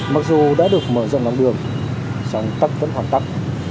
mặc dù đã được mở rộng lòng đường sáng tắt vẫn hoàn tắc